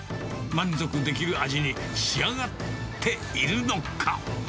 満足できる味に仕上がっているのか。